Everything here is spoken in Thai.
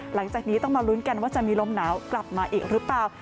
หลังจากนี้ต้องมาลุ้นกันว่าจะมีลมหนาวกลับมาอีกหรือเปล่า